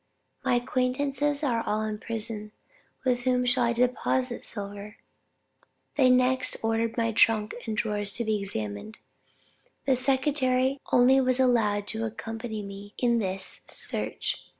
My acquaintances are all in prison, with whom should I deposit silver? They next ordered my trunk and drawers to be examined. The secretary only was allowed to accompany me in this search.